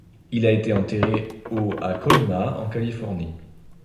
Il a été enterré au à Colma, en Californie.